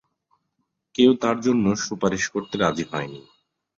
কেউ তার জন্য সুপারিশ করতে রাজি হয়নি।